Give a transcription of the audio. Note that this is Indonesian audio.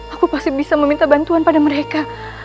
aku pasti bisa meminta bantuan pada mereka